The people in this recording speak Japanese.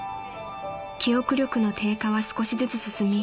［記憶力の低下は少しずつ進み